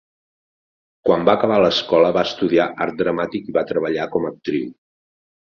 Quan va acabar l'escola, va estudiar Art Dramàtic i va treballar com a actriu.